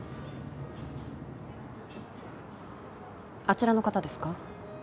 あちらの方ですか？